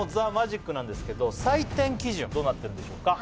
この『ＴＨＥＭＡＧＩＣ』なんですけど採点基準どうなってるんでしょうか？